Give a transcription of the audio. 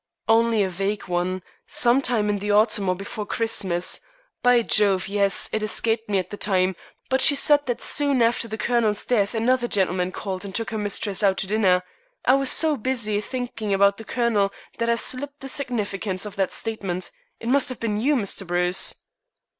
"Only a vague one. Sometime in the autumn or before Christmas. By Jove, yes; it escaped me at the time, but she said that soon after the Colonel's death another gentleman called and took her mistress out to dinner. I was so busy thinking about the colonel that I slipped the significance of that statement. It must have been you, Mr. Bruce."